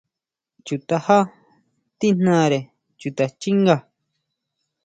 Chu tajá tíjnare chuta xchínga.